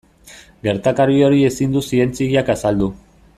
Gertakari hori ezin du zientziak azaldu.